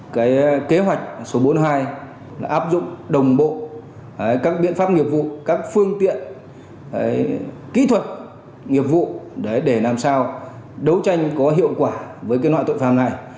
cái kế hoạch số bốn mươi hai là áp dụng đồng bộ các biện pháp nghiệp vụ các phương tiện kỹ thuật nghiệp vụ để làm sao đấu tranh có hiệu quả với loại tội phạm này